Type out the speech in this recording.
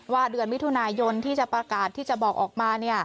ว่าเดือนวิทุนายนที่จะประกาศที่จะบอกออกมาเนี่ย